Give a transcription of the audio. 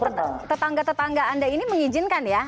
karena tetangga tetangga anda ini mengizinkan ya